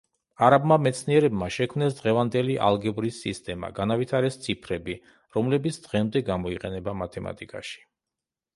არაბმა მეცნიერებმა შექმნეს დღევანდელი ალგებრის სისტემა, განავითარეს ციფრები, რომლებიც დღემდე გამოიყენება მათემატიკაში.